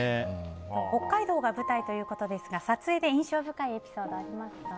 北海道が舞台ということですが撮影で印象深いエピソードありますか？